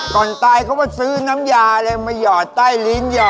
ก่อนตายเขาก็ซื้อน้ำยาเลยมาหยอดใต้ลิ้น